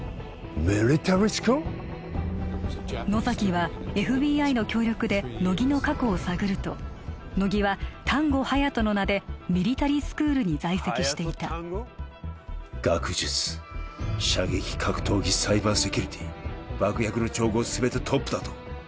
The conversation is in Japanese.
はい野崎はＦＢＩの協力で乃木の過去を探ると乃木は丹後隼人の名でミリタリースクールに在籍していた学術射撃格闘技サイバーセキュリティ爆薬の調合全てトップだと？